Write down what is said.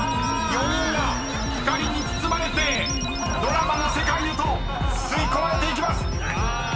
［４人が光に包まれてドラマの世界へと吸い込まれていきます］